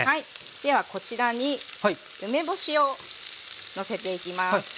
ではこちらに梅干しをのせていきます。